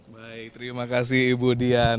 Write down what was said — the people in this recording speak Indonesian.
baik terima kasih ibu dian